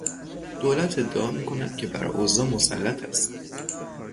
دولت ادعا میکند که بر اوضاع مسلط است.